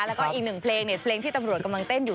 แล้วก็อีกหนึ่งเพลงเนี่ยเพลงที่ตำรวจกำลังเต้นอยู่